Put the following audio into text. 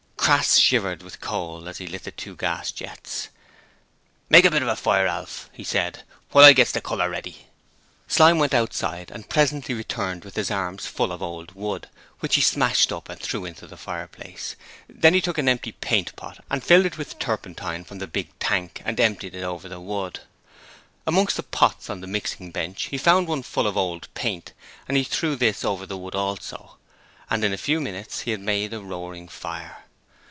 Crass shivered with cold as he lit the two gas jets. 'Make a bit of a fire, Alf, he said, 'while I gets the colour ready.' Slyme went outside and presently returned with his arms full of old wood, which he smashed up and threw into the fireplace; then he took an empty paint pot and filled it with turpentine from the big tank and emptied it over the wood. Amongst the pots on the mixing bench he found one full of old paint, and he threw this over the wood also, and in a few minutes he had made a roaring fire.